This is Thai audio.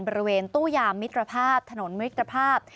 บริเวณตู้ยามมิตรภาพถนนมิตรภาพ